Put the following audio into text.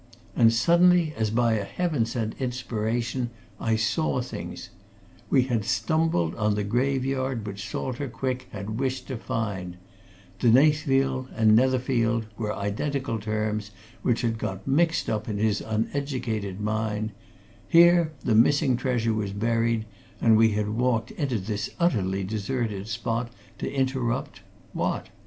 And suddenly, as by a heaven sent inspiration, I saw things. We had stumbled on the graveyard which Salter Quick had wished to find; de Knaythville and Netherfield were identical terms which had got mixed up in his uneducated mind; here the missing treasure was buried, and we had walked into this utterly deserted spot to interrupt what, and who?